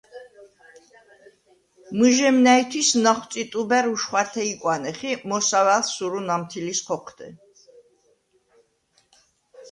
მჷჟემ ნა̈ჲთვის ნახვწი ტუბა̈რ უშხვა̈რთე იკვანეხ ი მოსავა̈ლს სურუ ნამთილის ხოჴდე.